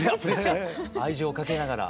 愛情かけながら。